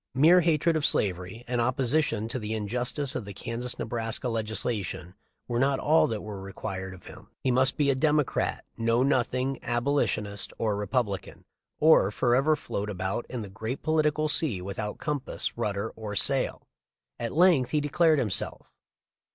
Mere hatred of slavery and opposition to the injustice of the Kansas Ne braska legislation were not all that were required of him. He must be a Democrat, Know Nothing, Abolitionist, or Republican, or forever float about in the great political sea without compass, rudder, or sail. At length he declared himself.